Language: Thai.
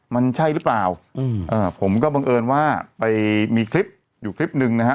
มันใช่หรือเปล่าอืมเอ่อผมก็บังเอิญว่าไปมีคลิปอยู่คลิปหนึ่งนะฮะ